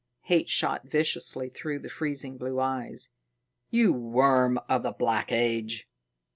Hate shot viciously through the freezing blue eyes. "You worm of the Black Age!"